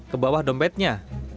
ke bawah dompetnya